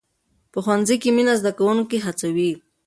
په ښوونځي کې مینه زده کوونکي هڅوي.